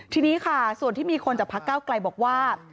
ทีนี้ค่ะส่วนที่มีคนจากพักเก้าไกลบอกว่า